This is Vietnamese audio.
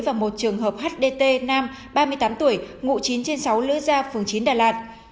và một trường hợp hdt nam ba mươi tám tuổi ngụ chín trên sáu lữ gia phường chín đà lạt